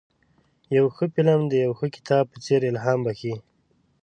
یو ښه فلم د یو ښه کتاب په څېر الهام بخښي.